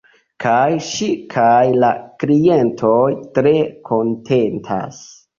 Kaj ŝi kaj la klientoj tre kontentas.